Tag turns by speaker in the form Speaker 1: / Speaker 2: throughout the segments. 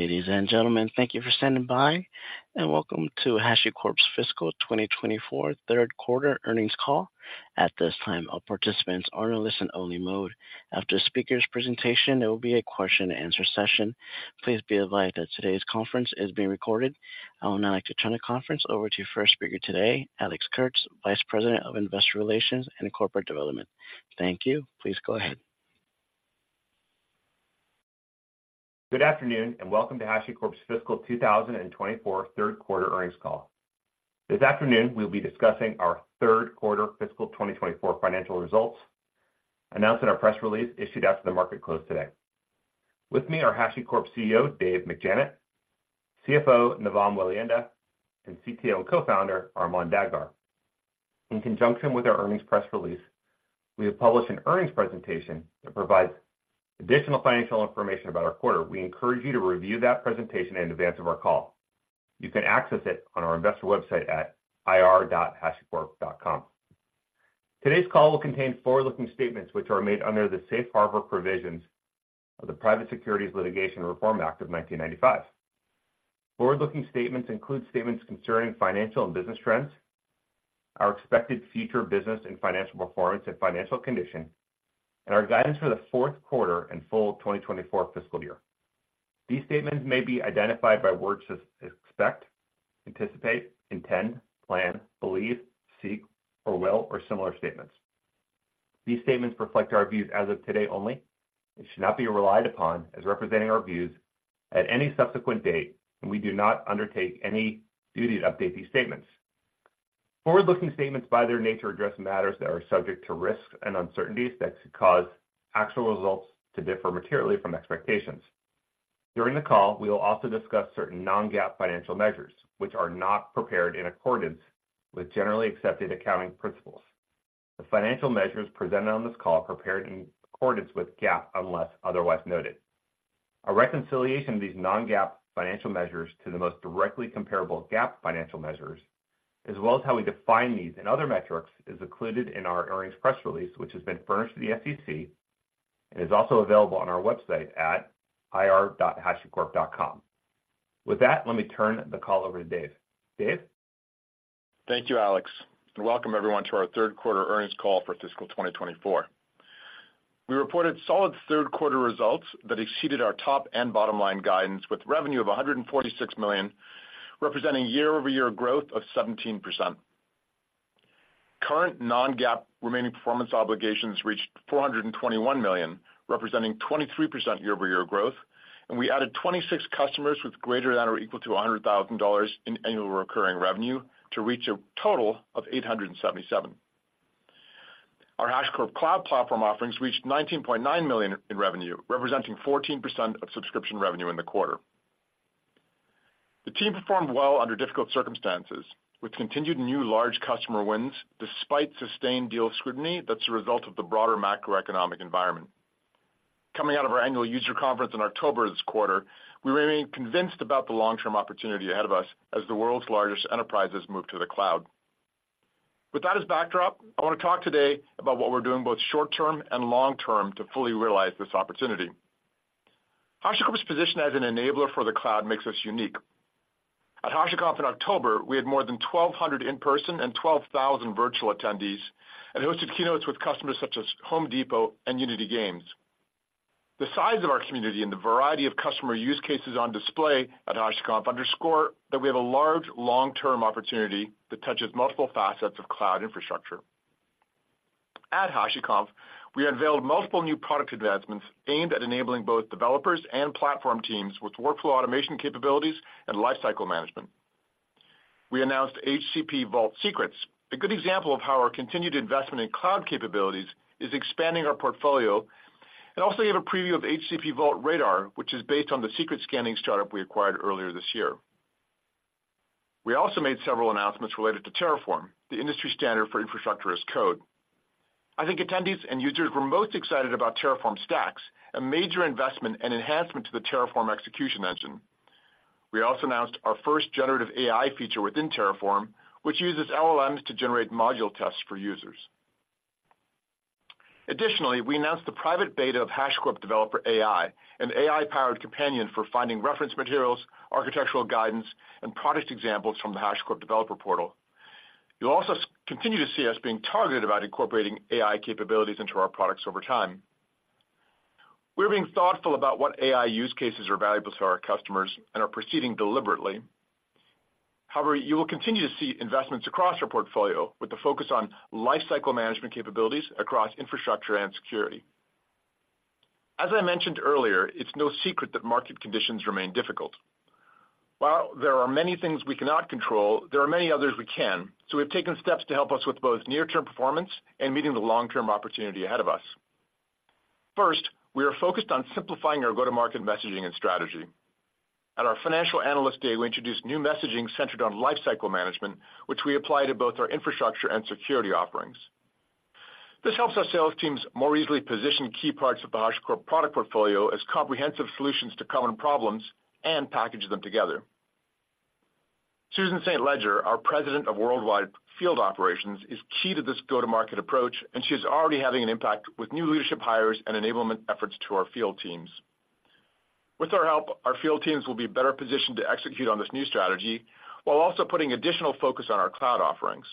Speaker 1: Ladies and gentlemen, thank you for standing by, and welcome to HashiCorp's fiscal year 24 third quarter earnings call. At this time, all participants are in a listen-only mode. After the speaker's presentation, there will be a question-and-answer session. Please be advised that today's conference is being recorded. I would now like to turn the conference over to your first speaker today, Alex Kurtz, Vice President of Investor Relations and Corporate Development. Thank you. Please go ahead.
Speaker 2: Good afternoon, and welcome to HashiCorp's fiscal 2024 third quarter earnings call. This afternoon, we'll be discussing our third quarter fiscal 2024 financial results, announcing our press release issued after the market closed today. With me are HashiCorp's CEO, Dave McJannet, CFO, Navam Welihinda, and CTO and Co-founder, Armon Dadgar. In conjunction with our earnings press release, we have published an earnings presentation that provides additional financial information about our quarter. We encourage you to review that presentation in advance of our call. You can access it on our investor website at ir.hashicorp.com. Today's call will contain forward-looking statements which are made under the Safe Harbor Provisions of the Private Securities Litigation Reform Act of 1995. Forward-looking statements include statements concerning financial and business trends, our expected future business and financial performance and financial condition, and our guidance for the fourth quarter and full 2024 fiscal year. These statements may be identified by words such as expect, anticipate, intend, plan, believe, seek or will, or similar statements. These statements reflect our views as of today only, and should not be relied upon as representing our views at any subsequent date, and we do not undertake any duty to update these statements. Forward-looking statements, by their nature, address matters that are subject to risks and uncertainties that could cause actual results to differ materially from expectations. During the call, we will also discuss certain non-GAAP financial measures, which are not prepared in accordance with generally accepted accounting principles. The financial measures presented on this call are prepared in accordance with GAAP, unless otherwise noted. A reconciliation of these Non-GAAP financial measures to the most directly comparable GAAP financial measures, as well as how we define these and other metrics, is included in our earnings press release, which has been furnished to the SEC and is also available on our website at ir.hashicorp.com. With that, let me turn the call over to Dave. Dave?
Speaker 3: Thank you, Alex, and welcome everyone to our third quarter earnings call for fiscal 2024. We reported solid third quarter results that exceeded our top and bottom line guidance, with revenue of $146 million, representing year-over-year growth of 17%. Current non-GAAP remaining performance obligations reached $421 million, representing 23% year-over-year growth, and we added 26 customers with greater than or equal to $100,000 in annual recurring revenue to reach a total of 877. Our HashiCorp Cloud Platform offerings reached $19.9 million in revenue, representing 14% of subscription revenue in the quarter. The team performed well under difficult circumstances, with continued new large customer wins, despite sustained deal scrutiny that's a result of the broader macroeconomic environment. Coming out of our annual user conference in October this quarter, we remain convinced about the long-term opportunity ahead of us as the world's largest enterprises move to the cloud. With that as backdrop, I want to talk today about what we're doing, both short-term and long-term, to fully realize this opportunity. HashiCorp's position as an enabler for the cloud makes us unique. At HashiConf in October, we had more than 1,200 in-person and 12,000 virtual attendees, and hosted keynotes with customers such as Home Depot and Unity Games. The size of our community and the variety of customer use cases on display at HashiConf underscore that we have a large, long-term opportunity that touches multiple facets of cloud infrastructure. At HashiConf, we unveiled multiple new product advancements aimed at enabling both developers and platform teams with workflow automation capabilities and lifecycle management. We announced HCP Vault Secrets, a good example of how our continued investment in cloud capabilities is expanding our portfolio, and also gave a preview of HCP Vault Radar, which is based on the secret scanning startup we acquired earlier this year. We also made several announcements related to Terraform, the industry standard for Infrastructure as Code. I think attendees and users were most excited about Terraform Stacks, a major investment and enhancement to the Terraform execution engine. We also announced our first generative AI feature within Terraform, which uses LLMs to generate module tests for users. Additionally, we announced the private beta of HashiCorp Developer AI, an AI-powered companion for finding reference materials, architectural guidance, and product examples from the HashiCorp Developer Portal. You'll also continue to see us being targeted about incorporating AI capabilities into our products over time. We're being thoughtful about what AI use cases are valuable to our customers and are proceeding deliberately. However, you will continue to see investments across our portfolio with a focus on lifecycle management capabilities across infrastructure and security. As I mentioned earlier, it's no secret that market conditions remain difficult. While there are many things we cannot control, there are many others we can, so we've taken steps to help us with both near-term performance and meeting the long-term opportunity ahead of us. First, we are focused on simplifying our go-to-market messaging and strategy. At our Financial Analyst Day, we introduced new messaging centered on lifecycle management, which we apply to both our infrastructure and security offerings. This helps our sales teams more easily position key parts of the HashiCorp product portfolio as comprehensive solutions to common problems and package them together. Susan St. Ledger, our President of Worldwide Field Operations, is key to this go-to-market approach, and she's already having an impact with new leadership hires and enablement efforts to our field teams. With our help, our field teams will be better positioned to execute on this new strategy, while also putting additional focus on our cloud offerings.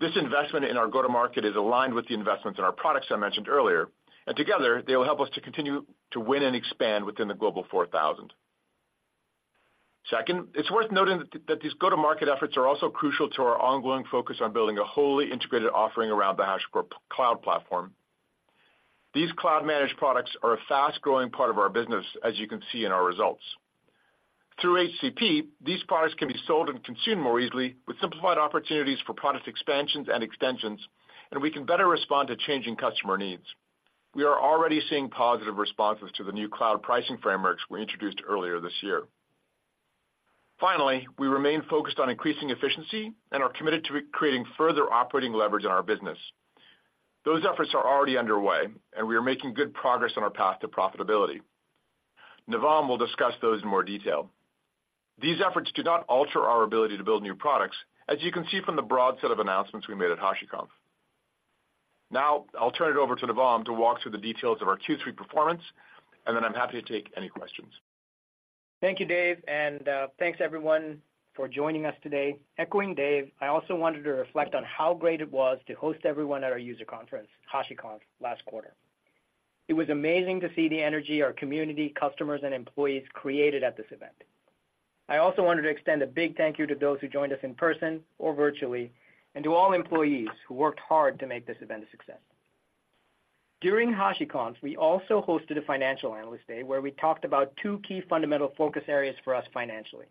Speaker 3: This investment in our go-to-market is aligned with the investments in our products I mentioned earlier, and together, they will help us to continue to win and expand within the Global 4,000. Second, it's worth noting that these go-to-market efforts are also crucial to our ongoing focus on building a wholly integrated offering around the HashiCorp Cloud Platform. These cloud-managed products are a fast-growing part of our business, as you can see in our results. Through HCP, these products can be sold and consumed more easily, with simplified opportunities for product expansions and extensions, and we can better respond to changing customer needs. We are already seeing positive responses to the new cloud pricing frameworks we introduced earlier this year. Finally, we remain focused on increasing efficiency and are committed to creating further operating leverage in our business. Those efforts are already underway, and we are making good progress on our path to profitability. Navam will discuss those in more detail. These efforts do not alter our ability to build new products, as you can see from the broad set of announcements we made at HashiConf. Now, I'll turn it over to Navam to walk through the details of our Q3 performance, and then I'm happy to take any questions.
Speaker 4: Thank you, Dave, and thanks, everyone, for joining us today. Echoing Dave, I also wanted to reflect on how great it was to host everyone at our user conference, HashiConf, last quarter. It was amazing to see the energy our community, customers, and employees created at this event. I also wanted to extend a big thank you to those who joined us in person or virtually, and to all employees who worked hard to make this event a success. During HashiConf, we also hosted a financial analyst day, where we talked about two key fundamental focus areas for us financially.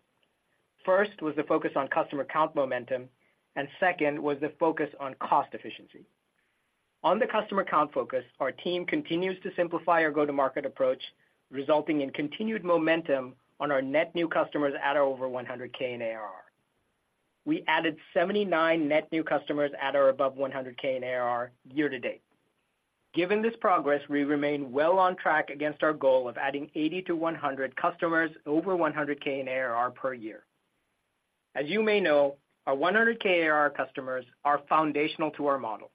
Speaker 4: First, was the focus on customer count momentum, and second, was the focus on cost efficiency. On the customer count focus, our team continues to simplify our go-to-market approach, resulting in continued momentum on our net new customers at over $100K in ARR. We added 79 net new customers at or above 100K in ARR year to date. Given this progress, we remain well on track against our goal of adding 80-100 customers over 100K in ARR per year. As you may know, our 100K ARR customers are foundational to our model,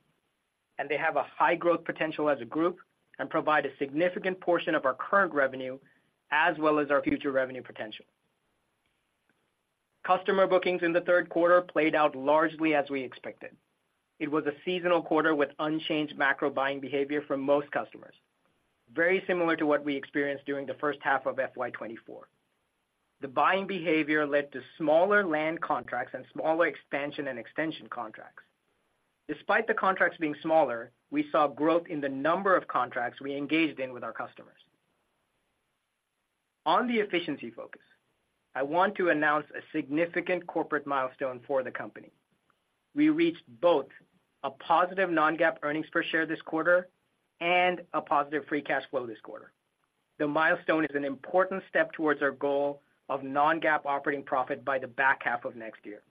Speaker 4: and they have a high growth potential as a group and provide a significant portion of our current revenue, as well as our future revenue potential. Customer bookings in the third quarter played out largely as we expected. It was a seasonal quarter with unchanged macro buying behavior from most customers, very similar to what we experienced during the first half of FY 2024. The buying behavior led to smaller land contracts and smaller expansion and extension contracts. Despite the contracts being smaller, we saw growth in the number of contracts we engaged in with our customers. On the efficiency focus, I want to announce a significant corporate milestone for the company. We reached both a positive non-GAAP earnings per share this quarter and a positive free cash flow this quarter. The milestone is an important step towards our goal of non-GAAP operating profit by the back half of next year.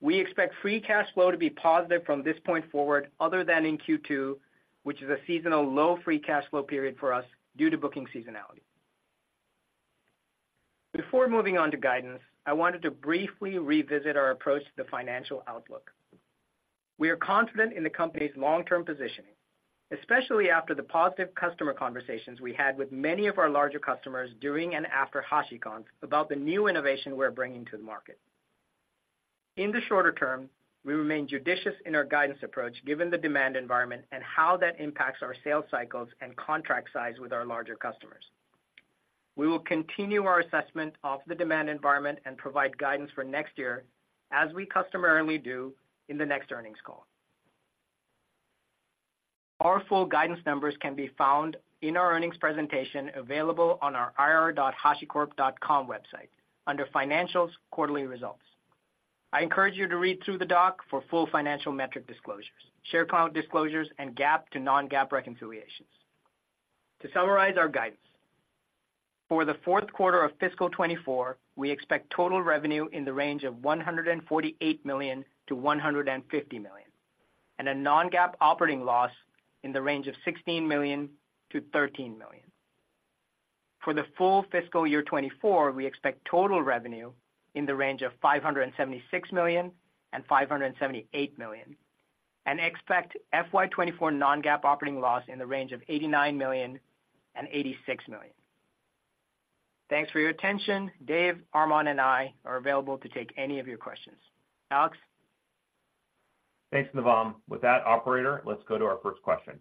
Speaker 4: We expect free cash flow to be positive from this point forward, other than in Q2, which is a seasonal low free cash flow period for us due to booking seasonality. Before moving on to guidance, I wanted to briefly revisit our approach to the financial outlook. We are confident in the company's long-term positioning, especially after the positive customer conversations we had with many of our larger customers during and after HashiConf about the new innovation we're bringing to the market. In the shorter term, we remain judicious in our guidance approach, given the demand environment and how that impacts our sales cycles and contract size with our larger customers. We will continue our assessment of the demand environment and provide guidance for next year as we customarily do in the next earnings call. Our full guidance numbers can be found in our earnings presentation, available on our ir.hashicorp.com website under Financials, Quarterly Results. I encourage you to read through the doc for full financial metric disclosures, share count disclosures, and GAAP to non-GAAP reconciliations. To summarize our guidance, for the fourth quarter of fiscal 2024, we expect total revenue in the range of $148 million-$150 million, and a non-GAAP operating loss in the range of $16 million-$13 million. For the full fiscal year 2024, we expect total revenue in the range of $576 million and $578 million, and expect FY 2024 non-GAAP operating loss in the range of $89 million and $86 million. Thanks for your attention. Dave, Armon, and I are available to take any of your questions. Alex?
Speaker 3: Thanks, Navam. With that, operator, let's go to our first question.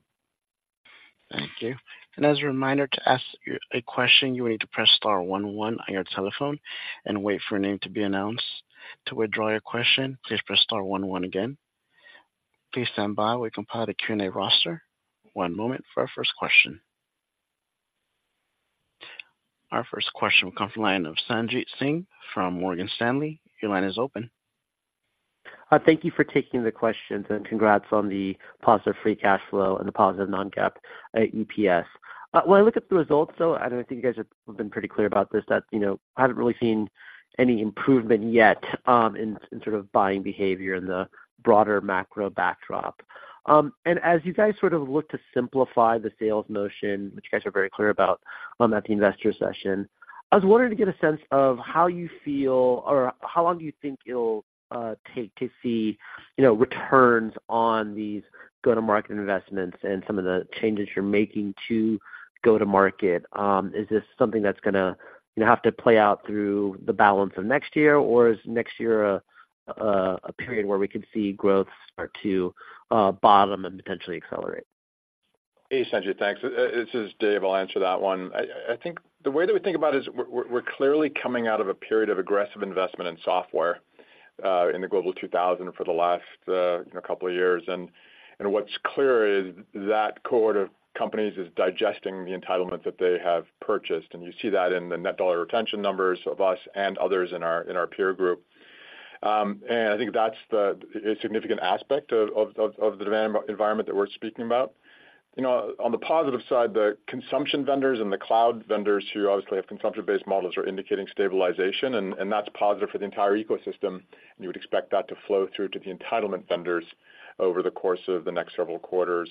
Speaker 1: Thank you. And as a reminder, to ask a question, you will need to press star one one on your telephone and wait for your name to be announced. To withdraw your question, please press star one one again. Please stand by while we compile the Q&A roster. One moment for our first question. Our first question will come from the line of Sanjit Singh from Morgan Stanley. Your line is open.
Speaker 5: Thank you for taking the questions, and congrats on the positive free cash flow and the positive non-GAAP EPS. When I look at the results, though, and I think you guys have been pretty clear about this, that, you know, haven't really seen any improvement yet in sort of buying behavior in the broader macro backdrop. And as you guys sort of look to simplify the sales motion, which you guys are very clear about, at the investor session I was wondering to get a sense of how you feel or how long do you think it'll take to see, you know, returns on these go-to-market investments and some of the changes you're making to go-to-market? Is this something that's gonna, you know, have to play out through the balance of next year, or is next year a period where we could see growth start to bottom and potentially accelerate?
Speaker 3: Hey, Sanjit, thanks. This is Dave. I'll answer that one. I think the way that we think about it is we're clearly coming out of a period of aggressive investment in software in the Global 2000 for the last, you know, couple of years. And what's clear is that cohort of companies is digesting the entitlement that they have purchased, and you see that in the net dollar retention numbers of us and others in our peer group. And I think that's a significant aspect of the demand environment that we're speaking about. You know, on the positive side, the consumption vendors and the cloud vendors who obviously have consumption-based models, are indicating stabilization, and, and that's positive for the entire ecosystem, and you would expect that to flow through to the entitlement vendors over the course of the next several quarters.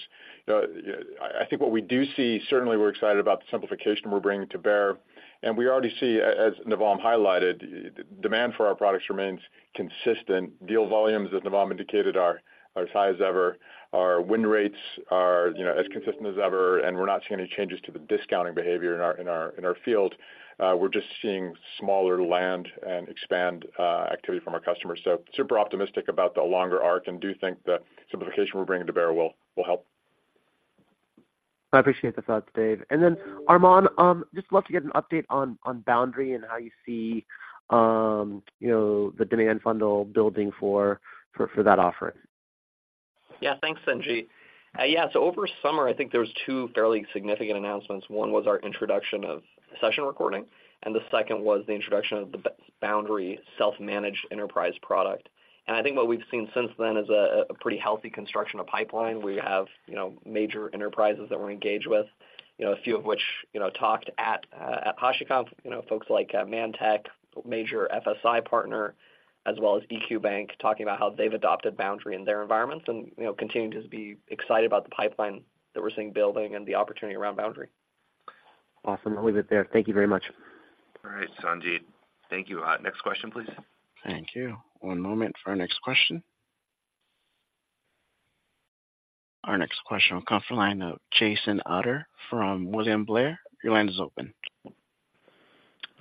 Speaker 3: I think what we do see, certainly we're excited about the simplification we're bringing to bear, and we already see, as Navam highlighted, demand for our products remains consistent. Deal volumes, as Navam indicated, are as high as ever. Our win rates are, you know, as consistent as ever, and we're not seeing any changes to the discounting behavior in our field. We're just seeing smaller land and expand activity from our customers. Super optimistic about the longer arc and do think the simplification we're bringing to bear will help.
Speaker 5: I appreciate the thoughts, Dave. And then, Armon, just love to get an update on Boundary and how you see, you know, the demand funnel building for that offering.
Speaker 6: Yeah, thanks, Sanjit. Yeah, so over summer, I think there was two fairly significant announcements. One was our introduction of session recording, and the second was the introduction of the Boundary Self-Managed Enterprise product. And I think what we've seen since then is a pretty healthy construction of pipeline, where we have, you know, major enterprises that we're engaged with, you know, a few of which, you know, talked at, at HashiConf. You know, folks like, ManTech, a major FSI partner, as well as EQ Bank, talking about how they've adopted Boundary in their environments and, you know, continue to be excited about the pipeline that we're seeing building and the opportunity around Boundary.
Speaker 5: Awesome. I'll leave it there. Thank you very much.
Speaker 3: All right, Sanjit. Thank you. Next question, please.
Speaker 1: Thank you. One moment for our next question. Our next question will come from the line of Jason Ader from William Blair. Your line is open.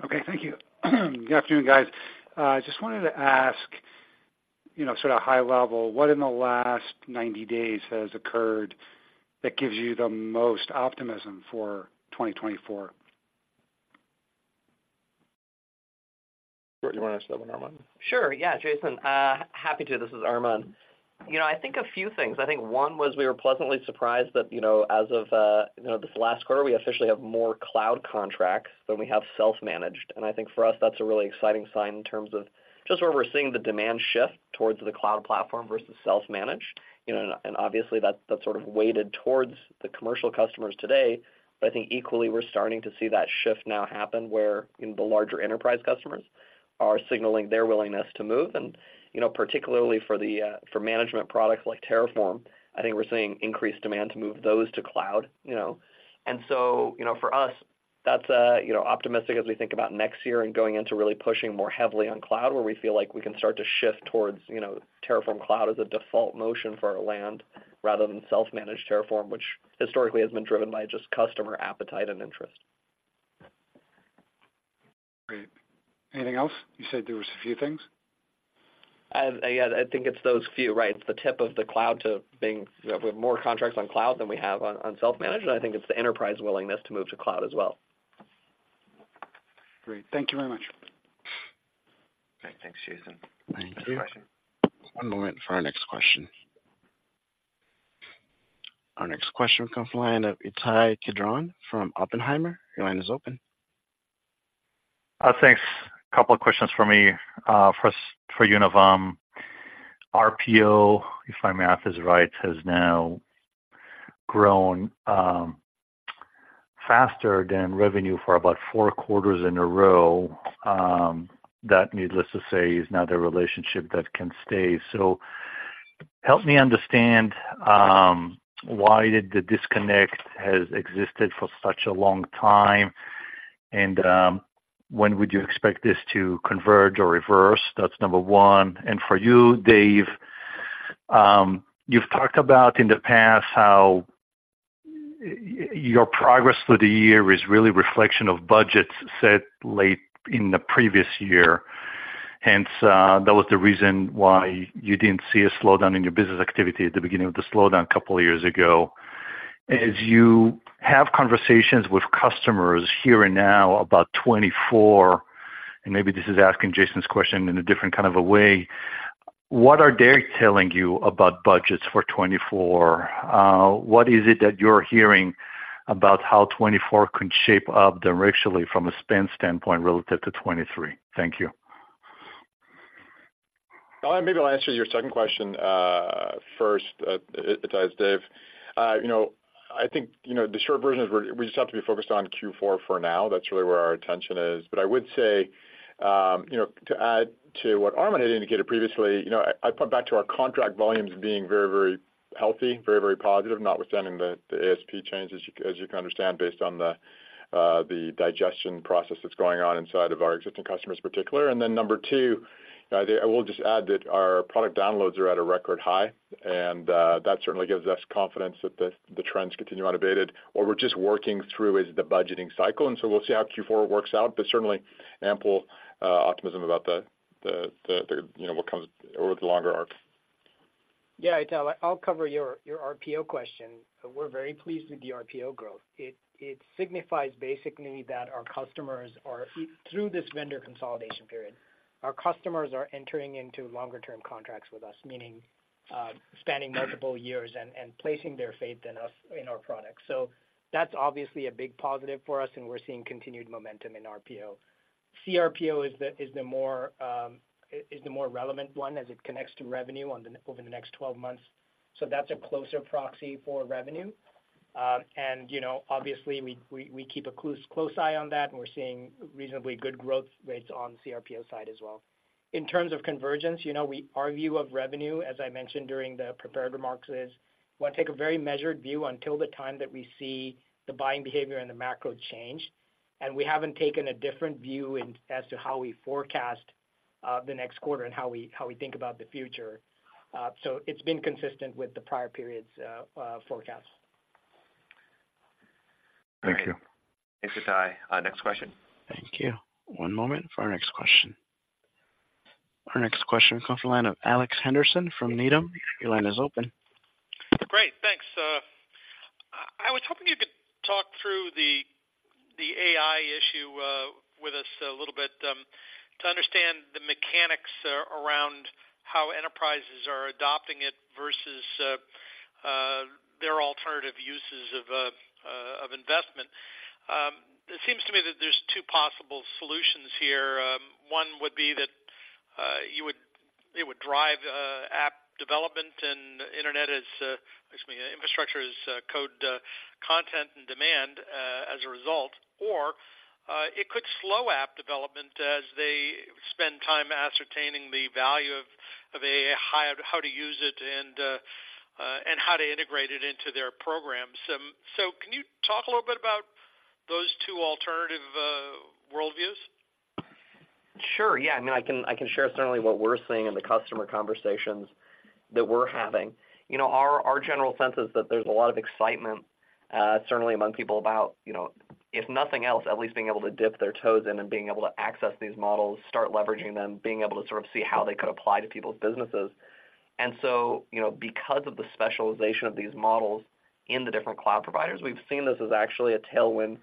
Speaker 7: Okay, thank you. Good afternoon, guys. Just wanted to ask, you know, sort of high level, what in the last 90 days has occurred that gives you the most optimism for 2024?
Speaker 3: You wanna answer that one, Armon?
Speaker 6: Sure, yeah, Jason, happy to. This is Armon. You know, I think a few things. I think one was we were pleasantly surprised that, you know, as of, you know, this last quarter, we officially have more cloud contracts than we have self-managed. And I think for us, that's a really exciting sign in terms of just where we're seeing the demand shift towards the cloud platform versus self-managed. You know, and obviously, that's sort of weighted towards the commercial customers today. But I think equally, we're starting to see that shift now happen where, you know, the larger enterprise customers are signaling their willingness to move. And, you know, particularly for the management products like Terraform, I think we're seeing increased demand to move those to cloud, you know? And so, you know, for us, that's optimistic as we think about next year and going into really pushing more heavily on cloud, where we feel like we can start to shift towards, you know, Terraform Cloud as a default motion for our land, rather than self-managed Terraform, which historically has been driven by just customer appetite and interest.
Speaker 7: Great. Anything else? You said there was a few things.
Speaker 6: Yeah, I think it's those few, right. It's the tip of the cloud to being. We have more contracts on cloud than we have on self-managed, and I think it's the enterprise willingness to move to cloud as well.
Speaker 7: Great. Thank you very much.
Speaker 3: Okay. Thanks, Jason.
Speaker 1: Thank you. One moment for our next question. Our next question comes from the line of Ittai Kidron from Oppenheimer. Your line is open.
Speaker 8: Thanks. A couple of questions for me, first for you, Navam. RPO, if my math is right, has now grown faster than revenue for about four quarters in a row. That, needless to say, is not a relationship that can stay. So help me understand why did the disconnect has existed for such a long time, and when would you expect this to converge or reverse? That's number one. For you, Dave, you've talked about in the past how your progress for the year is really reflection of budgets set late in the previous year, hence, that was the reason why you didn't see a slowdown in your business activity at the beginning of the slowdown a couple of years ago. As you have conversations with customers here and now about 2024, and maybe this is asking Jason's question in a different kind of a way, what are they telling you about budgets for 2024? What is it that you're hearing about how 2024 could shape up directionally from a spend standpoint relative to 2023? Thank you.
Speaker 3: Maybe I'll answer your second question first, Ittai. It's Dave. You know, I think, you know, the short version is we're—we just have to be focused on Q4 for now. That's really where our attention is. But I would say, you know, to add to what Armon had indicated previously, you know, I point back to our contract volumes being very, very healthy, very, very positive, notwithstanding the ASP changes, as you can understand, based on the digestion process that's going on inside of our existing customers, in particular. And then number 2, I will just add that our product downloads are at a record high, and that certainly gives us confidence that the trends continue unabated, or we're just working through is the budgeting cycle, and so we'll see how Q4 works out, but certainly ample optimism about the, you know, what comes over the longer arc.
Speaker 4: Yeah, Ittai, I'll cover your RPO question. We're very pleased with the RPO growth. It signifies basically that our customers are, through this vendor consolidation period, our customers are entering into longer-term contracts with us, meaning, spanning multiple years and, and placing their faith in us, in our products. So that's obviously a big positive for us, and we're seeing continued momentum in RPO. CRPO is the more relevant one as it connects to revenue over the next 12 months. So that's a closer proxy for revenue. And, you know, obviously, we keep a close eye on that, and we're seeing reasonably good growth rates on the CRPO side as well. In terms of convergence, you know, our view of revenue, as I mentioned during the prepared remarks, is we'll take a very measured view until the time that we see the buying behavior and the macro change. And we haven't taken a different view as to how we forecast the next quarter and how we think about the future. So it's been consistent with the prior periods, forecast.
Speaker 8: Thank you.
Speaker 6: Thanks, Ittai. Next question.
Speaker 1: Thank you. One moment for our next question. Our next question comes from the line of Alex Henderson from Needham. Your line is open.
Speaker 9: Great, thanks. I was hoping you could talk through the, the AI issue, with us a little bit, to understand the mechanics around how enterprises are adopting it versus, their alternative uses of, of investment. It seems to me that there's two possible solutions here. One would be that it would drive app development and internet as, excuse me, infrastructure as code, content and demand, as a result, or, it could slow app development as they spend time ascertaining the value of AI, how to use it, and, and how to integrate it into their programs. So can you talk a little bit about those two alternative worldviews?
Speaker 6: Sure. Yeah, I mean, I can, I can share certainly what we're seeing in the customer conversations that we're having. You know, our, our general sense is that there's a lot of excitement, certainly among people about, you know, if nothing else, at least being able to dip their toes in and being able to access these models, start leveraging them, being able to sort of see how they could apply to people's businesses. And so, you know, because of the specialization of these models in the different cloud providers, we've seen this as actually a tailwind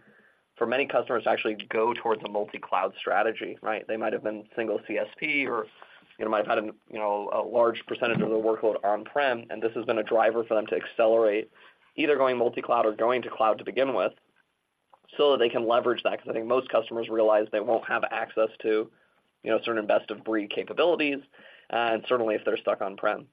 Speaker 6: for many customers to actually go towards a multi-cloud strategy, right? They might have been single CSP or, you know, might have had, you know, a large percentage of their workload on-prem, and this has been a driver for them to accelerate, either going multi-cloud or going to cloud to begin with, so that they can leverage that, because I think most customers realize they won't have access to, you know, certain best-of-breed capabilities, and certainly if they're stuck on-prem.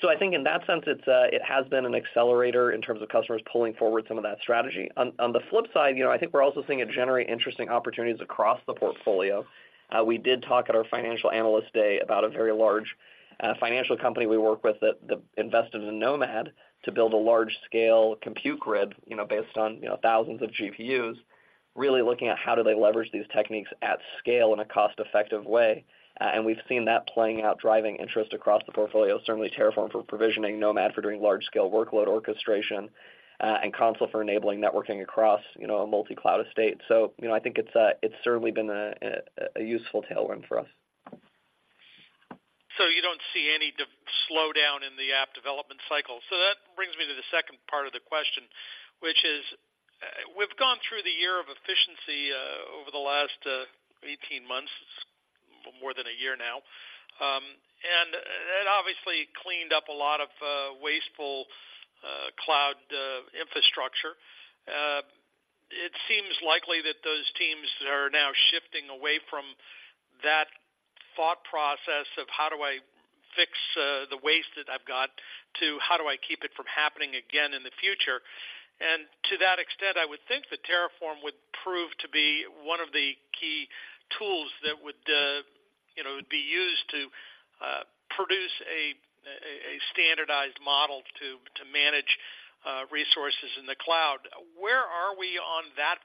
Speaker 6: So I think in that sense, it's it has been an accelerator in terms of customers pulling forward some of that strategy. On the flip side, you know, I think we're also seeing it generate interesting opportunities across the portfolio. We did talk at our Financial Analyst Day about a very large financial company we work with that invested in Nomad to build a large-scale compute grid, you know, based on, you know, thousands of GPUs, really looking at how do they leverage these techniques at scale in a cost-effective way. And we've seen that playing out, driving interest across the portfolio, certainly Terraform for provisioning, Nomad for doing large-scale workload orchestration, and Consul for enabling networking across, you know, a multi-cloud estate. So, you know, I think it's certainly been a useful tailwind for us.
Speaker 9: So you don't see any slowdown in the app development cycle. So that brings me to the second part of the question, which is, we've gone through the year of efficiency over the last 18 months, more than a year now. And that obviously cleaned up a lot of wasteful cloud infrastructure. It seems likely that those teams are now shifting away from that thought process of how do I fix the waste that I've got, to how do I keep it from happening again in the future. And to that extent, I would think that Terraform would prove to be one of the key tools that would, you know, be used to produce a standardized model to manage resources in the cloud. Where are we on that,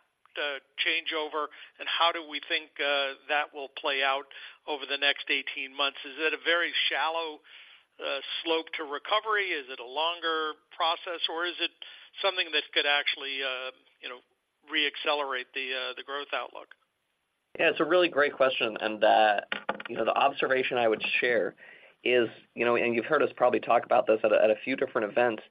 Speaker 9: changeover, and how do we think, that will play out over the next 18 months? Is it a very shallow, slope to recovery? Is it a longer process, or is it something that could actually, you know, reaccelerate the, the growth outlook?
Speaker 6: Yeah, it's a really great question, and that, you know, the observation I would share is, you know, and you've heard us probably talk about this at a, at a few different events,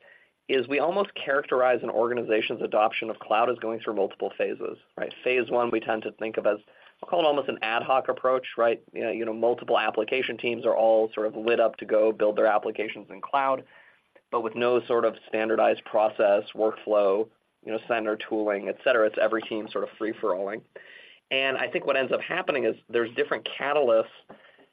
Speaker 6: is we almost characterize an organization's adoption of cloud as going through multiple phases, right? Phase one, we tend to think of as, I'll call it almost an ad hoc approach, right? You know, multiple application teams are all sort of lit up to go build their applications in cloud, but with no sort of standardized process, workflow, you know, central tooling, et cetera. It's every team sort of free-for-alling. And I think what ends up happening is there's different catalysts.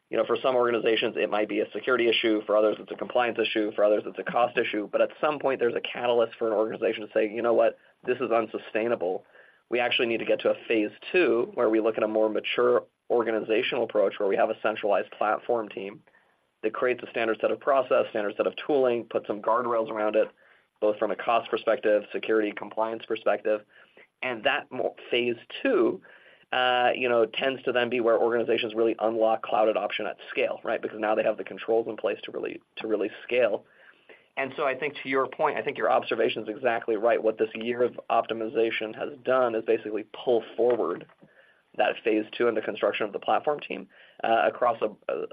Speaker 6: You know, for some organizations, it might be a security issue, for others, it's a compliance issue, for others, it's a cost issue. But at some point, there's a catalyst for an organization to say, "You know what? This is unsustainable." We actually need to get to a phase two, where we look at a more mature organizational approach, where we have a centralized platform team that creates a standard set of process, standard set of tooling, put some guardrails around it, both from a cost perspective, security, compliance perspective. And that phase two, you know, tends to then be where organizations really unlock cloud adoption at scale, right? Because now they have the controls in place to really, to really scale. And so I think to your point, I think your observation is exactly right. What this year of optimization has done is basically pull forward that phase two in the construction of the platform team, across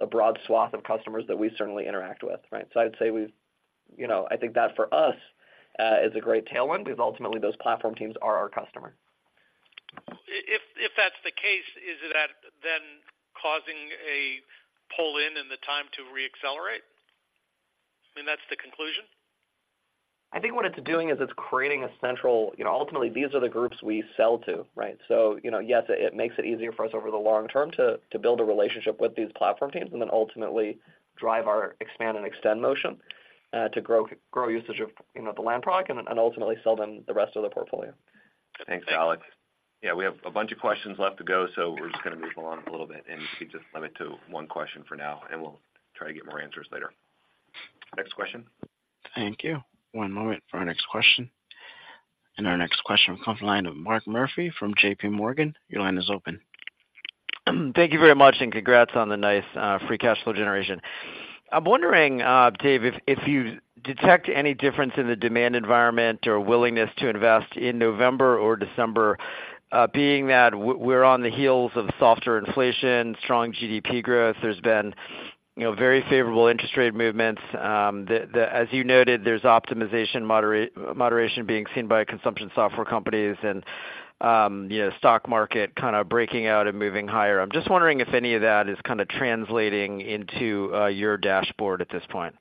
Speaker 6: a broad swath of customers that we certainly interact with, right? I'd say we've, you know, I think that for us is a great tailwind, because ultimately, those platform teams are our customer.
Speaker 4: If that's the case, is that then causing a pull-in in the time to reaccelerate? I mean, that's the conclusion?
Speaker 6: I think what it's doing is it's creating a central. You know, ultimately, these are the groups we sell to, right? So, you know, yes, it makes it easier for us over the long term to, to build a relationship with these platform teams, and then ultimately drive our expand and extend motion, to grow, grow usage of, you know, the land product and, and ultimately sell them the rest of the portfolio.
Speaker 2: Thanks, Alex. Yeah, we have a bunch of questions left to go, so we're just gonna move along a little bit, and just limit to one question for now, and we'll try to get more answers later. Next question?
Speaker 1: Thank you. One moment for our next question. Our next question will come from the line of Mark Murphy from J.P. Morgan. Your line is open.
Speaker 10: Thank you very much, and congrats on the nice, free cash flow generation. I'm wondering, Dave, if you detect any difference in the demand environment or willingness to invest in November or December, being that we're on the heels of softer inflation, strong GDP growth, there's been, you know, very favorable interest rate movements, as you noted, there's optimization, moderation being seen by consumption software companies and, you know, stock market kind of breaking out and moving higher. I'm just wondering if any of that is kind of translating into your dashboard at this point.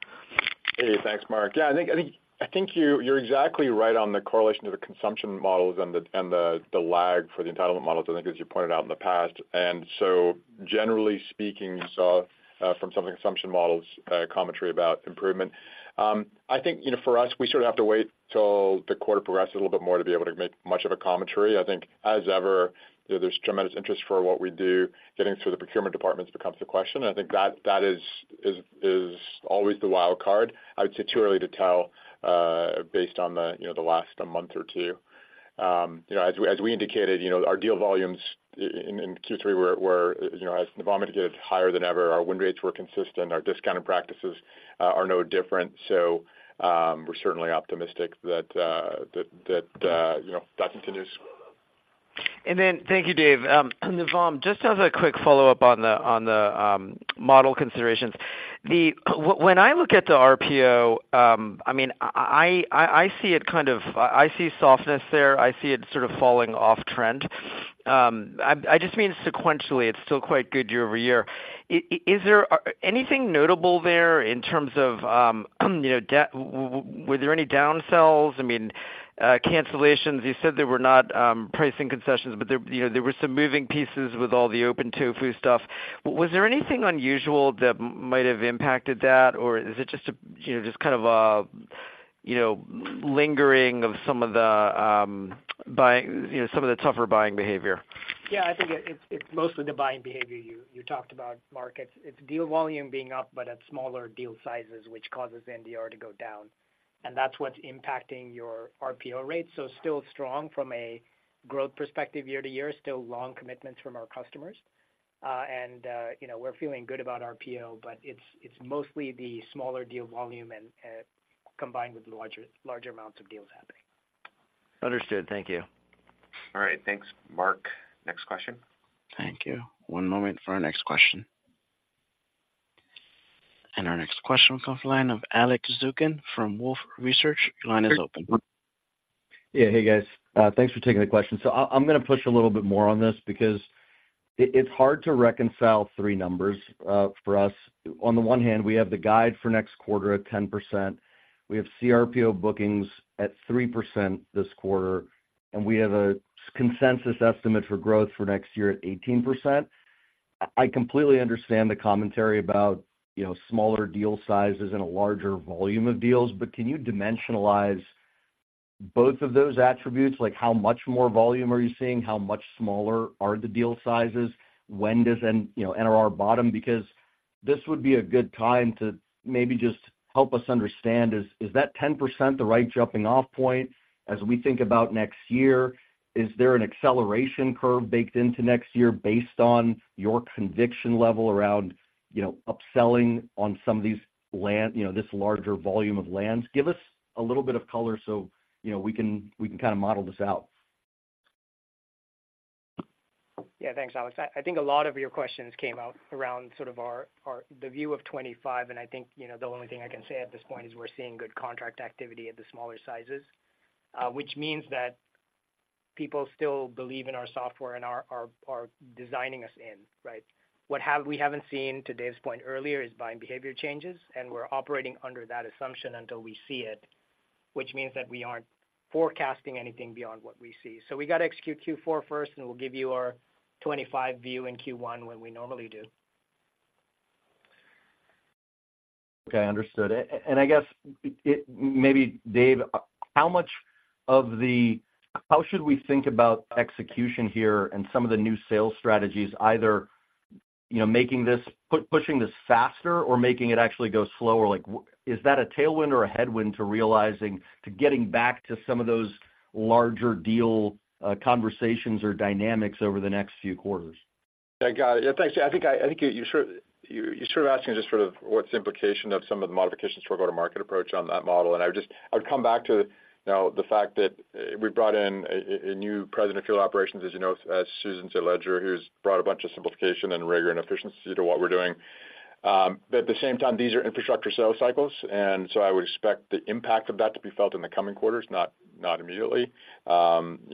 Speaker 3: Hey, thanks, Mark. Yeah, I think you're exactly right on the correlation to the consumption models and the lag for the entitlement models, I think, as you pointed out in the past. And so generally speaking, you saw from some of the consumption models commentary about improvement. I think, you know, for us, we sort of have to wait till the quarter progresses a little bit more to be able to make much of a commentary. I think, as ever, you know, there's tremendous interest for what we do. Getting through the procurement departments becomes the question, and I think that is always the wild card. I would say too early to tell, based on the, you know, the last a month or two. You know, as we indicated, you know, our deal volumes in Q3 were, you know, as Navam indicated, higher than ever. Our win rates were consistent, our discounted practices are no different. So, we're certainly optimistic that, you know, that continues.
Speaker 10: Then thank you, Dave. Navam, just as a quick follow-up on the model considerations. When I look at the RPO, I mean, I see it kind of. I see softness there, I see it sort of falling off trend. I just mean sequentially, it's still quite good year-over-year. Is there anything notable there in terms of, you know, down, were there any downsells, I mean, cancellations? You said there were not, pricing concessions, but there, you know, there were some moving pieces with all the OpenTofu stuff. Was there anything unusual that might have impacted that, or is it just a, you know, just kind of a, you know, lingering of some of the, buying, you know, some of the tougher buying behavior?
Speaker 4: Yeah, I think it's mostly the buying behavior you talked about, Mark. It's deal volume being up, but at smaller deal sizes, which causes NDR to go down, and that's what's impacting your RPO rates. So still strong from a growth perspective, year to year, still long commitments from our customers. You know, we're feeling good about RPO, but it's mostly the smaller deal volume and combined with larger amounts of deals happening.
Speaker 10: Understood. Thank you.
Speaker 2: All right. Thanks, Mark. Next question.
Speaker 1: Thank you. One moment for our next question. Our next question comes from the line of Alex Zukin from Wolfe Research. Your line is open.
Speaker 11: Yeah. Hey, guys. Thanks for taking the question. So I'm gonna push a little bit more on this because it's hard to reconcile three numbers for us. On the one hand, we have the guide for next quarter at 10%, we have CRPO bookings at 3% this quarter, and we have a consensus estimate for growth for next year at 18%. I completely understand the commentary about, you know, smaller deal sizes and a larger volume of deals, but can you dimensionalize both of those attributes? Like, how much more volume are you seeing? How much smaller are the deal sizes? When does NRR bottom? You know, because this would be a good time to maybe just help us understand, is that 10% the right jumping-off point as we think about next year? Is there an acceleration curve baked into next year based on your conviction level around, you know, upselling on some of these land—you know, this larger volume of lands? Give us a little bit of color so, you know, we can, we can kind of model this out.
Speaker 4: Yeah. Thanks, Alex. I, I think a lot of your questions came out around sort of our view of 2025, and I think, you know, the only thing I can say at this point is we're seeing good contract activity at the smaller sizes, which means that people still believe in our software and are designing us in, right? We haven't seen, to Dave's point earlier, is buying behavior changes, and we're operating under that assumption until we see it, which means that we aren't forecasting anything beyond what we see. So we got to execute Q4 first, and we'll give you our 2025 view in Q1 when we normally do.
Speaker 11: Okay, understood. And I guess it—maybe Dave, how much of the—how should we think about execution here and some of the new sales strategies, either, you know, making this pushing this faster or making it actually go slower? Like, is that a tailwind or a headwind to realizing, to getting back to some of those larger deal conversations or dynamics over the next few quarters?
Speaker 3: Yeah, got it. Yeah, thanks. I think you sort of asking just sort of what's the implication of some of the modifications to our go-to-market approach on that model, and I would come back to, you know, the fact that we brought in a new president of field operations, as you know, as Susan St. Ledger, who's brought a bunch of simplification and rigor and efficiency to what we're doing. But at the same time, these are infrastructure sales cycles, and so I would expect the impact of that to be felt in the coming quarters, not immediately. You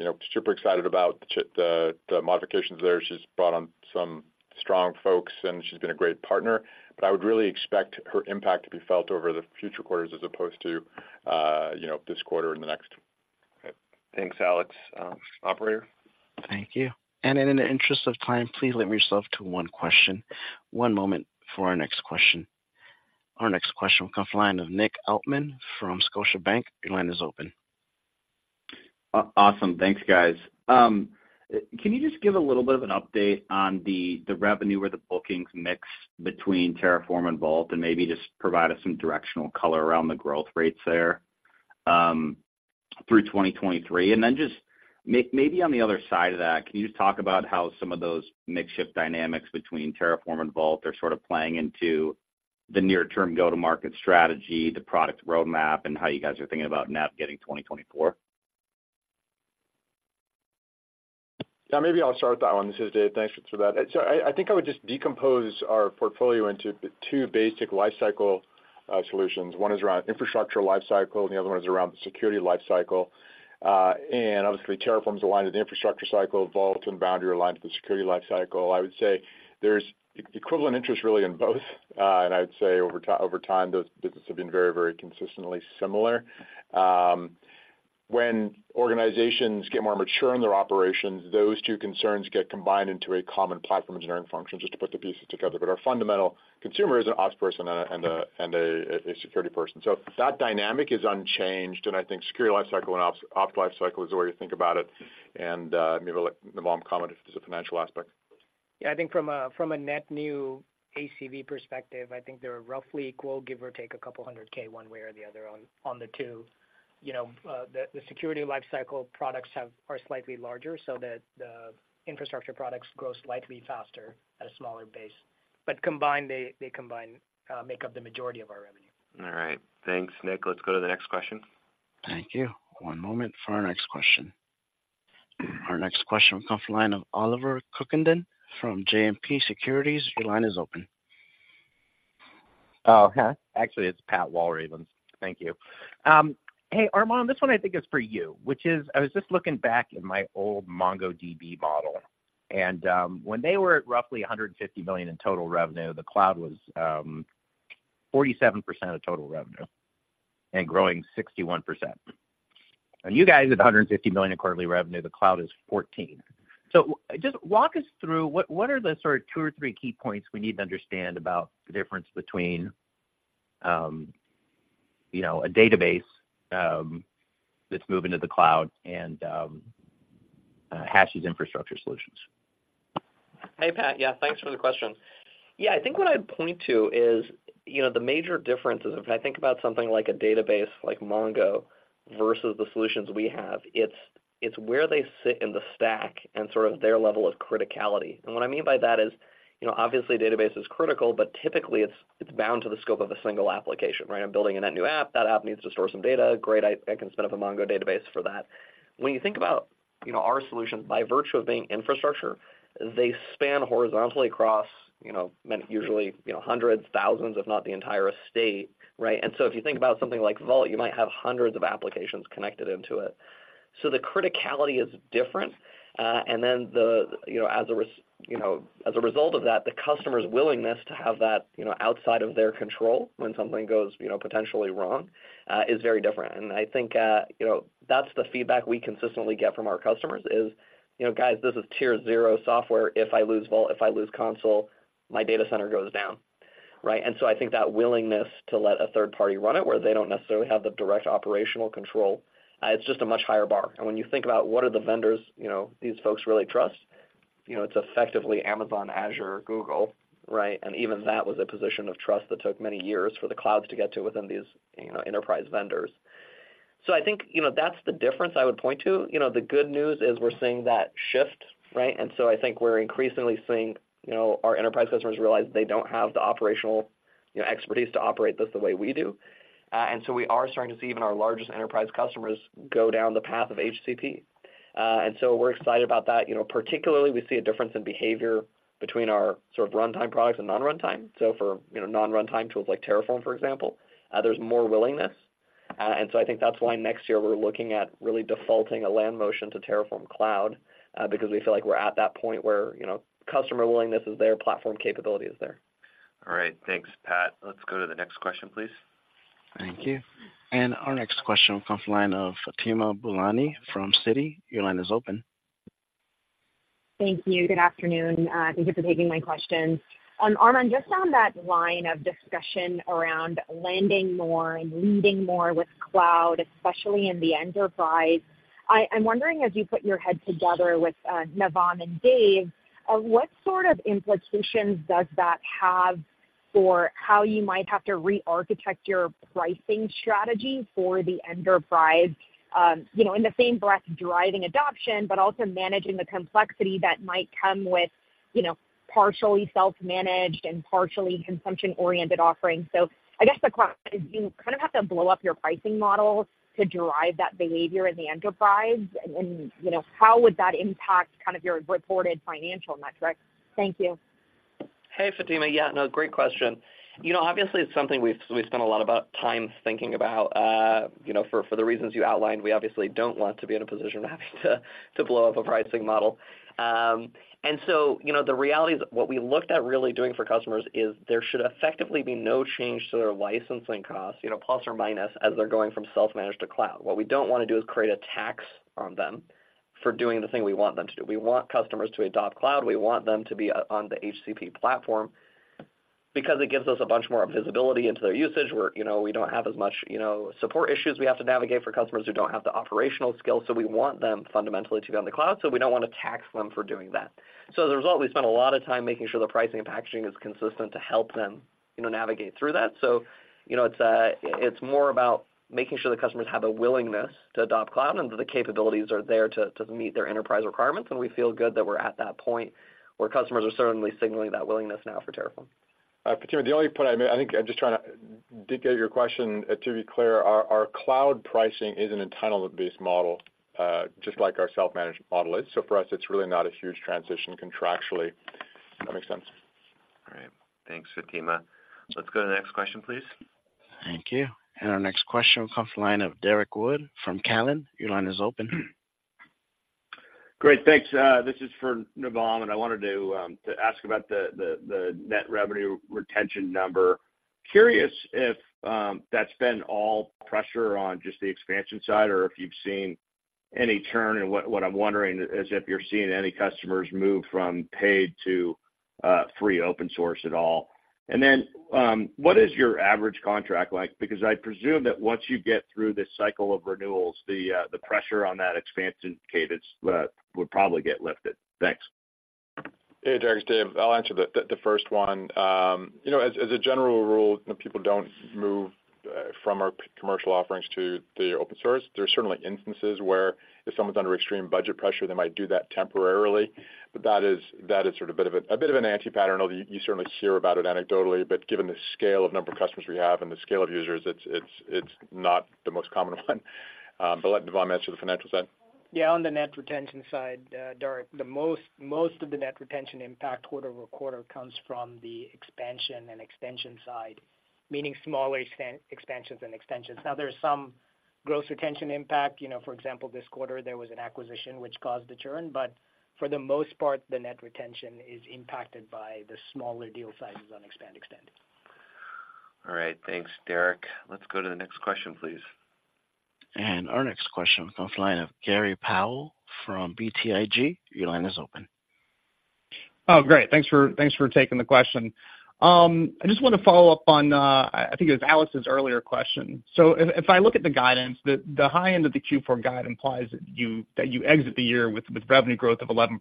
Speaker 3: know, super excited about the modifications there. She's brought on some strong folks, and she's been a great partner, but I would really expect her impact to be felt over the future quarters as opposed to, you know, this quarter or the next.
Speaker 2: Thanks, Alex. Operator?
Speaker 1: Thank you. In the interest of time, please limit yourself to one question. One moment for our next question. Our next question will come from the line of Nick Altman from Scotiabank. Your line is open.
Speaker 12: Awesome. Thanks, guys. Can you just give a little bit of an update on the revenue or the bookings mix between Terraform and Vault, and maybe just provide us some directional color around the growth rates there through 2023? And then just maybe on the other side of that, can you just talk about how some of those mix shift dynamics between Terraform and Vault are sort of playing into the near-term go-to-market strategy, the product roadmap, and how you guys are thinking about navigating 2024?
Speaker 3: Yeah, maybe I'll start with that one. This is Dave. Thanks for that. So I think I would just decompose our portfolio into two basic life cycle solutions. One is around infrastructure life cycle, and the other one is around the security life cycle. And obviously Terraform is aligned to the infrastructure cycle, Vault and Boundary are aligned to the security life cycle. I would say there's equivalent interest really in both. And I'd say over time, those businesses have been very, very consistently similar. When organizations get more mature in their operations, those two concerns get combined into a common platform engineering function, just to put the pieces together. But our fundamental consumer is an ops person and a security person. So that dynamic is unchanged, and I think security life cycle and ops life cycle is the way to think about it. And, maybe I'll let Navam comment if there's a financial aspect.
Speaker 4: Yeah, I think from a net new ACV perspective, I think they're roughly equal, give or take a couple hundred K one way or the other on the two. You know, the security life cycle products have, are slightly larger, so the infrastructure products grow slightly faster at a smaller base. But combined, they combine make up the majority of our revenue.
Speaker 2: All right. Thanks, Nick. Let's go to the next question.
Speaker 1: Thank you. One moment for our next question. Our next question comes from the line of Oliver Cookinden from JMP Securities. Your line is open.
Speaker 13: Oh, hi. Actually, it's Pat Walravens. Thank you. Hey, Armon, this one I think is for you, which is I was just looking back at my old MongoDB model, and when they were at roughly $150 million in total revenue, the cloud was 47% of total revenue and growing 61%. And you guys, at $150 million in quarterly revenue, the cloud is 14%. So just walk us through what, what are the sort of two or three key points we need to understand about the difference between, you know, a database that's moving to the cloud and HashiCorp's infrastructure solutions?
Speaker 6: Hey, Pat. Yeah, thanks for the question. Yeah, I think what I'd point to is, you know, the major differences, if I think about something like a database like Mongo versus the solutions we have, it's, it's where they sit in the stack and sort of their level of criticality. And what I mean by that is, you know, obviously, database is critical, but typically it's, it's bound to the scope of a single application, right? I'm building a net new app. That app needs to store some data. Great, I, I can spin up a Mongo database for that. When you think about, you know, our solution, by virtue of being infrastructure, they span horizontally across, you know, usually, you know, hundreds, thousands, if not the entire estate, right? And so if you think about something like Vault, you might have hundreds of applications connected into it. So the criticality is different, and then the, you know, as a result of that, the customer's willingness to have that, you know, outside of their control when something goes, you know, potentially wrong, is very different. And I think, you know, that's the feedback we consistently get from our customers is, you know, "Guys, this is tier zero software. If I lose Vault, if I lose Consul, my data center goes down." Right? And so I think that willingness to let a third party run it, where they don't necessarily have the direct operational control, it's just a much higher bar. And when you think about what are the vendors, you know, these folks really trust, you know, it's effectively Amazon, Azure, or Google, right? And even that was a position of trust that took many years for the clouds to get to within these, you know, enterprise vendors. So I think, you know, that's the difference I would point to. You know, the good news is we're seeing that shift, right? And so I think we're increasingly seeing, you know, our enterprise customers realize they don't have the operational, you know, expertise to operate this the way we do. And so we are starting to see even our largest enterprise customers go down the path of HCP. And so we're excited about that. You know, particularly, we see a difference in behavior between our sort of runtime products and non-runtime. So for, you know, non-runtime tools like Terraform, for example, there's more willingness. And so I think that's why next year we're looking at really defaulting a land motion to Terraform Cloud, because we feel like we're at that point where, you know, customer willingness is there, platform capability is there.
Speaker 14: All right. Thanks, Pat. Let's go to the next question, please.
Speaker 1: Thank you. Our next question comes from the line of Fatima Boolani from Citi. Your line is open.
Speaker 15: Thank you. Good afternoon. Thank you for taking my questions. Armon, just on that line of discussion around lending more and leading more with cloud, especially in the enterprise, I'm wondering, as you put your head together with Navam and Dave, what sort of implications does that have for how you might have to rearchitect your pricing strategy for the enterprise? You know, in the same breath, driving adoption, but also managing the complexity that might come with, you know, partially self-managed and partially consumption-oriented offerings. So I guess the question is, do you kind of have to blow up your pricing models to drive that behavior in the enterprise? And, you know, how would that impact kind of your reported financial metrics? Thank you.
Speaker 6: Hey, Fatima. Yeah, no, great question. You know, obviously, it's something we've spent a lot of time thinking about. You know, for the reasons you outlined, we obviously don't want to be in a position of having to blow up a pricing model. And so, you know, the reality is, what we looked at really doing for customers is there should effectively be no change to their licensing costs, you know, plus or minus, as they're going from self-managed to cloud. What we don't wanna do is create a tax on them for doing the thing we want them to do. We want customers to adopt cloud. We want them to be on the HCP platform because it gives us a bunch more visibility into their usage, where, you know, we don't have as much, you know, support issues we have to navigate for customers who don't have the operational skills. So we want them fundamentally to be on the cloud, so we don't want to tax them for doing that. So as a result, we spent a lot of time making sure the pricing and packaging is consistent to help them, you know, navigate through that. So, you know, it's more about making sure the customers have a willingness to adopt cloud and that the capabilities are there to meet their enterprise requirements. And we feel good that we're at that point where customers are certainly signaling that willingness now for Terraform.
Speaker 3: Fatima, the only point I made, I think I'm just trying to dig at your question. To be clear, our, our cloud pricing is an entitlement-based model, just like our self-managed model is. So for us, it's really not a huge transition contractually, if that makes sense.
Speaker 14: All right. Thanks, Fatima. Let's go to the next question, please.
Speaker 1: Thank you. Our next question comes from the line of Derrick Wood from TD Cowen. Your line is open.
Speaker 16: Great, thanks. This is for Navam, and I wanted to ask about the net revenue retention number. Curious if that's been all pressure on just the expansion side, or if you've seen any churn, and what I'm wondering is if you're seeing any customers move from paid to free open source at all. And then, what is your average contract like? Because I presume that once you get through this cycle of renewals, the pressure on that expansion cadence would probably get lifted. Thanks.
Speaker 3: Hey, Derrick, it's Dave. I'll answer the first one. You know, as a general rule, people don't move from our commercial offerings to the open source. There are certainly instances where if someone's under extreme budget pressure, they might do that temporarily, but that is sort of a bit of an anti-pattern. You certainly hear about it anecdotally, but given the scale of number of customers we have and the scale of users, it's not the most common one. But let Navam answer the financial side.
Speaker 4: Yeah, on the net retention side, Derrick, the most of the net retention impact quarter-over-quarter comes from the expansion and extension side, meaning smaller expansions and extensions. Now, there is some gross retention impact. You know, for example, this quarter there was an acquisition which caused the churn, but for the most part, the net retention is impacted by the smaller deal sizes on expand/extend.
Speaker 14: All right. Thanks, Derrick. Let's go to the next question, please.
Speaker 1: Our next question comes from the line of Gray Powell from BTIG. Your line is open.
Speaker 17: Oh, great. Thanks for, thanks for taking the question. I just want to follow up on, I think it was Alex's earlier question. So if, if I look at the guidance, the, the high end of the Q4 guide implies that you, that you exit the year with, with revenue growth of 11%.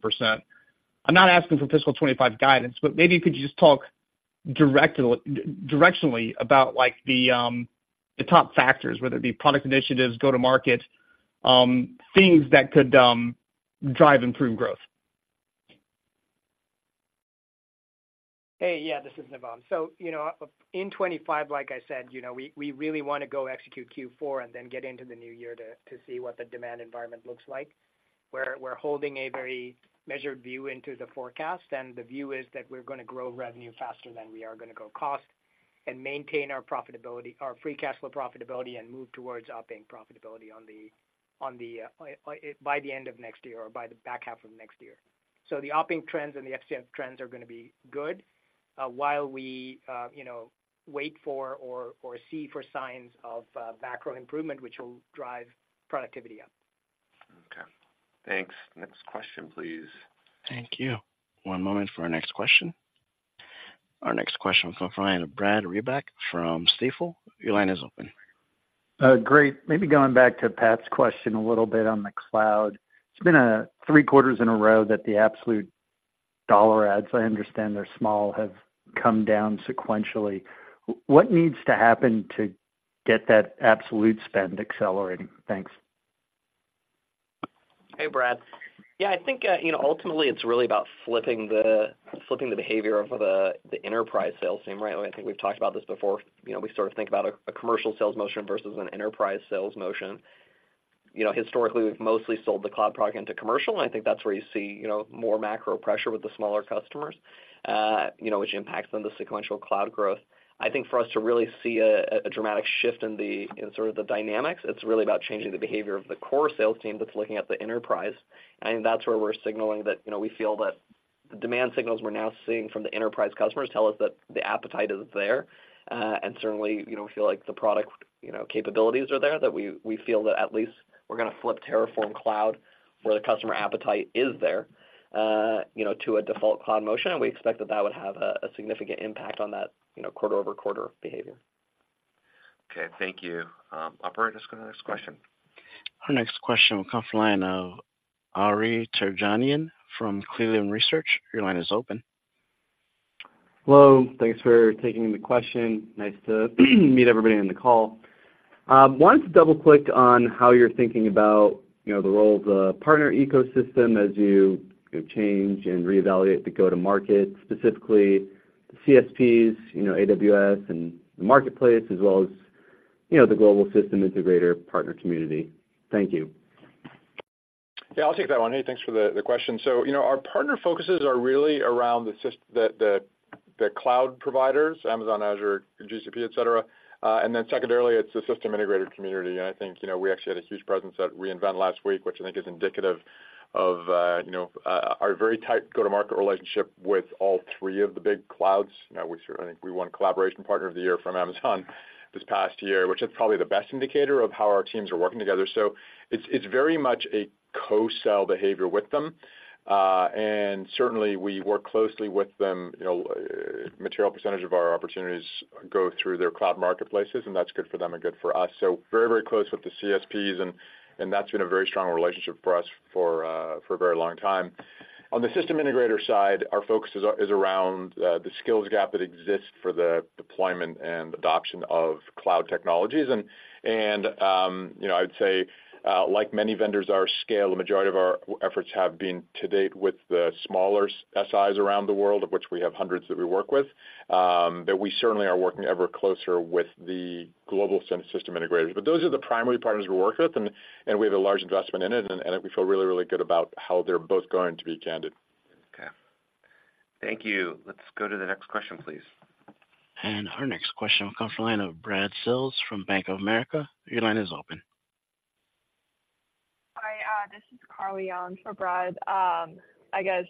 Speaker 17: I'm not asking for fiscal 2025 guidance, but maybe you could just talk directly, directionally about, like, the, the top factors, whether it be product initiatives, go-to-market, things that could, drive improved growth.
Speaker 4: Hey, yeah, this is Navam. So, you know, in 2025, like I said, you know, we really want to go execute Q4 and then get into the new year to see what the demand environment looks like, where we're holding a very measured view into the forecast. And the view is that we're gonna grow revenue faster than we are gonna grow cost and maintain our profitability, our free cash flow profitability and move towards operating profitability on the, on the, by the end of next year or by the back half of next year. So the operating trends and the FCF trends are gonna be good, while we, you know, wait for or see for signs of macro improvement, which will drive productivity up.
Speaker 17: Okay, thanks.
Speaker 14: Next question, please.
Speaker 1: Thank you. One moment for our next question. Our next question comes from the line of Brad Reback from Stifel. Your line is open.
Speaker 18: Great. Maybe going back to Pat's question a little bit on the cloud. It's been three quarters in a row that the absolute dollar adds, I understand they're small, have come down sequentially. What needs to happen to get that absolute spend accelerating? Thanks. Hey, Brad. Yeah, I think, you know, ultimately it's really about flipping the behavior of the enterprise sales team, right? I think we've talked about this before. You know, we sort of think about a commercial sales motion versus an enterprise sales motion. You know, historically, we've mostly sold the cloud product into commercial, and I think that's where you see, you know, more macro pressure with the smaller customers, you know, which impacts on the sequential cloud growth.
Speaker 6: I think for us to really see a dramatic shift in the in sort of the dynamics, it's really about changing the behavior of the core sales team that's looking at the enterprise. I think that's where we're signaling that, you know, we feel that the demand signals we're now seeing from the enterprise customers tell us that the appetite is there. And certainly, you know, we feel like the product, you know, capabilities are there, that we feel that at least we're gonna flip Terraform Cloud, where the customer appetite is there, you know, to a default cloud motion, and we expect that that would have a significant impact on that, you know, quarter-over-quarter behavior.
Speaker 14: Okay, thank you. Operator, let's go to the next question.
Speaker 1: Our next question will come from the line of Ari Terjanian from Cleveland Research. Your line is open.
Speaker 19: Hello, thanks for taking the question. Nice to meet everybody on the call. Wanted to double-click on how you're thinking about, you know, the role of the partner ecosystem as you change and reevaluate the go-to-market, specifically CSPs, you know, AWS and the marketplace, as well as, you know, the global system integrator partner community. Thank you.
Speaker 3: Yeah, I'll take that one. Hey, thanks for the question. So, you know, our partner focuses are really around the cloud providers, Amazon, Azure, GCP, et cetera. And then secondarily, it's the system integrator community. And I think, you know, we actually had a huge presence at re:Invent last week, which I think is indicative of, you know, our very tight go-to-market relationship with all three of the big clouds. We certainly, I think we won Collaboration Partner of the Year from Amazon this past year, which is probably the best indicator of how our teams are working together. So it's very much a co-sell behavior with them. And certainly, we work closely with them. You know, material percentage of our opportunities go through their cloud marketplaces, and that's good for them and good for us. So very, very close with the CSPs, and that's been a very strong relationship for us for a very long time. On the system integrator side, our focus is around the skills gap that exists for the deployment and adoption of cloud technologies. You know, I'd say, like many vendors, our scale, the majority of our efforts have been to date with the smaller SIs around the world, of which we have hundreds that we work with, but we certainly are working ever closer with the global system integrators. But those are the primary partners we work with, and we have a large investment in it, and we feel really, really good about how they're both going to be candid.
Speaker 14: Okay. Thank you. Let's go to the next question, please.
Speaker 1: Our next question will come from the line of Brad Sills from Bank of America. Your line is open.
Speaker 20: Hi, this is Carly on for Brad. I guess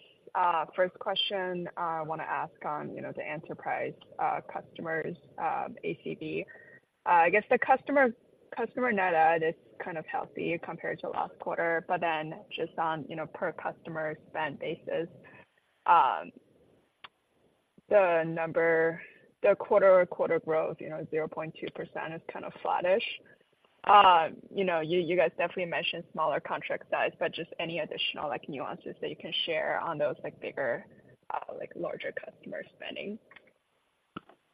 Speaker 20: first question, I wanna ask on, you know, the enterprise customers' ACV. I guess the customer net add is kind of healthy compared to last quarter, but then just on, you know, per customer spend basis, the quarter-over-quarter growth, you know, 0.2% is kind of flattish. You know, you guys definitely mentioned smaller contract size, but just any additional, like, nuances that you can share on those, like, bigger, like, larger customer spending?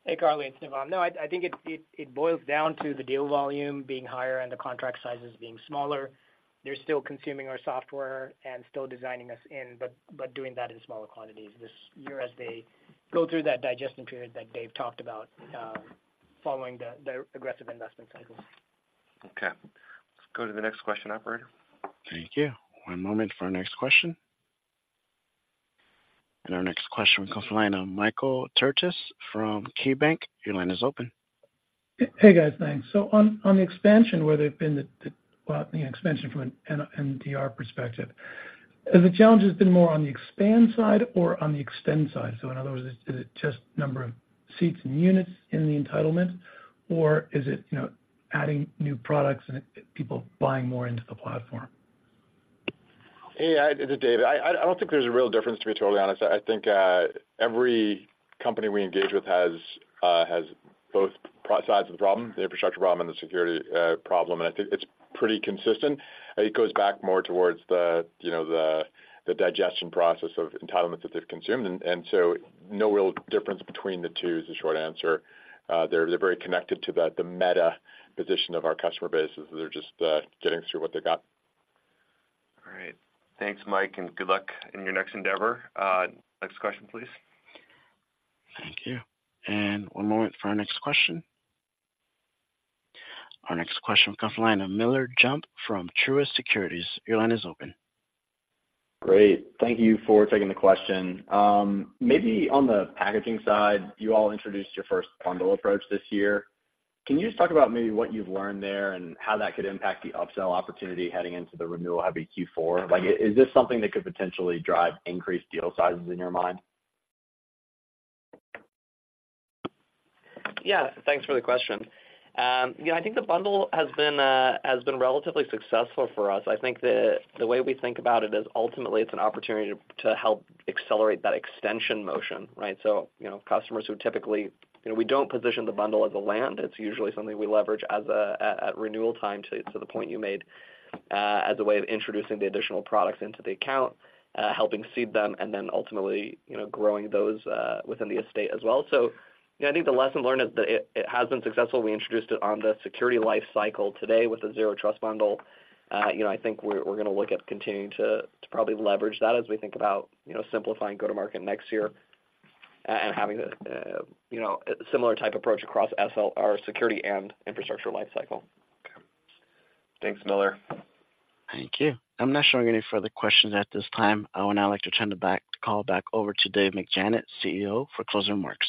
Speaker 6: Hey, Carly, it's Navam. No, I think it boils down to the deal volume being higher and the contract sizes being smaller. They're still consuming our software and still designing us in, but doing that in smaller quantities this year as they go through that digestion period that Dave talked about, following the aggressive investment cycles.
Speaker 14: Okay. Let's go to the next question, operator.
Speaker 1: Thank you. One moment for our next question. Our next question comes from the line of Michael Turits from KeyBanc Capital Markets. Your line is open.
Speaker 21: Hey, guys, thanks. So on the expansion, where they've been the, well, the expansion from an NDR perspective, have the challenges been more on the expand side or on the extend side? So in other words, is it just number of seats and units in the entitlement, or is it, you know, adding new products and people buying more into the platform?
Speaker 3: Hey, this is Dave. I don't think there's a real difference, to be totally honest. I think every company we engage with has both sides of the problem, the infrastructure problem and the security problem, and I think it's pretty consistent. I think it goes back more towards the, you know, the digestion process of entitlements that they've consumed, and so no real difference between the two, is the short answer. They're very connected to the meta position of our customer base as they're just getting through what they got.
Speaker 14: All right. Thanks, Mike, and good luck in your next endeavor. Next question, please.
Speaker 1: Thank you, and one moment for our next question. Our next question comes from the line of Miller Jump from Truist Securities. Your line is open.
Speaker 22: Great. Thank you for taking the question. Maybe on the packaging side, you all introduced your first bundle approach this year. Can you just talk about maybe what you've learned there and how that could impact the upsell opportunity heading into the renewal heavy Q4? Like, is this something that could potentially drive increased deal sizes in your mind?
Speaker 6: Yeah, thanks for the question. You know, I think the bundle has been relatively successful for us. I think the way we think about it is ultimately it's an opportunity to help accelerate that extension motion, right? So, you know, customers who typically. You know, we don't position the bundle as a land. It's usually something we leverage as a at renewal time, to the point you made, as a way of introducing the additional products into the account, helping seed them and then ultimately, you know, growing those within the estate as well. So, you know, I think the lesson learned is that it has been successful. We introduced it on the security lifecycle today with the Zero Trust Bundle. You know, I think we're gonna look at continuing to probably leverage that as we think about, you know, simplifying go-to-market next year, and having a, you know, similar type approach across SL, our security and infrastructure lifecycle.
Speaker 14: Okay. Thanks, Miller.
Speaker 1: Thank you. I'm not showing any further questions at this time. I would now like to turn the call back over to Dave McJannet, CEO, for closing remarks.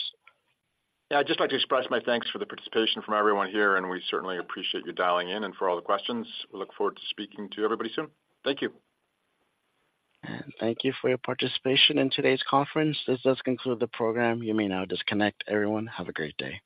Speaker 3: Yeah, I'd just like to express my thanks for the participation from everyone here, and we certainly appreciate you dialing in and for all the questions. We look forward to speaking to everybody soon. Thank you.
Speaker 1: Thank you for your participation in today's conference. This does conclude the program. You may now disconnect. Everyone, have a great day.